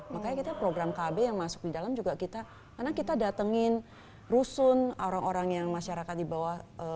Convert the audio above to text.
makanya kita program kb yang masuk di dalam juga kita karena kita datengin rusun orang orang yang masyarakat di bawah